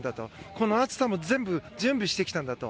この暑さも全部準備してきたんだと。